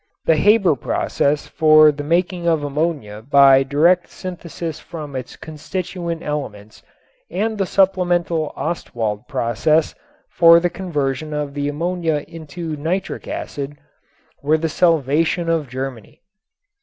The Haber process for the making of ammonia by direct synthesis from its constituent elements and the supplemental Ostwald process for the conversion of the ammonia into nitric acid were the salvation of Germany.